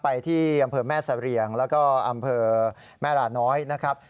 ไปที่อำเภอแม่เสรียงแล้วก็อำเภอแม่ราน้อยนะครับ